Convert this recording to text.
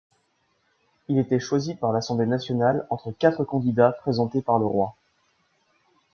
Il était choisi par l'Assemblée nationale entre quatre candidats présentés par le roi.